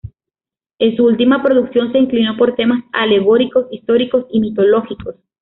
En su última producción se inclinó por temas alegóricos, históricos y mitológicos.